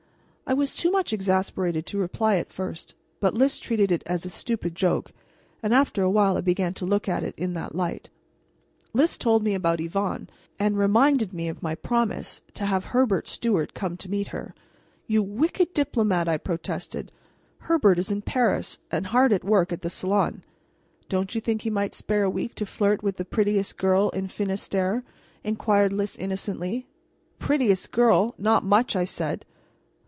I was too much exasperated to reply at first, but Lys treated it as a stupid joke, and after a while I began to look at it in that light. Lys told me about Yvonne, and reminded me of my promise to have Herbert Stuart down to meet her. "You wicked diplomat!" I protested. "Herbert is in Paris, and hard at work for the Salon." "Don't you think he might spare a week to flirt with the prettiest girl in Finistere?" inquired Lys innocently. "Prettiest girl! Not much!" I said.